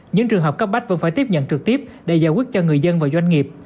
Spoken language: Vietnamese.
những trường hợp cấp bách vẫn phải tiếp nhận trực tiếp để giải quyết cho người dân và doanh nghiệp